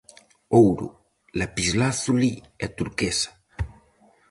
Ouro, lapislázuli e turquesa.